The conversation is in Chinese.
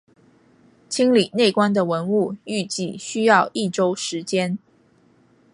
清理内棺的文物预计需要一周时间。